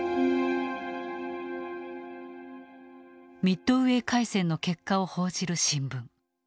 ミッドウェー海戦の結果を報じる新聞。